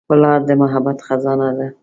پلار د محبت خزانه ده.